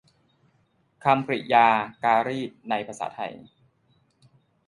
คำกริยาการีตในภาษาไทย